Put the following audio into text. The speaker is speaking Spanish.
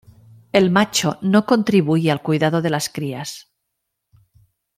El macho no contribuye al cuidado de las crías.